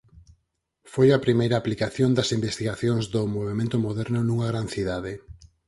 Foi a primeira aplicación das investigacións do Movemento Moderno nunha grande cidade.